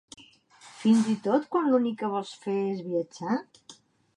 Fins i tot quan l'únic que vols fer és viatjar?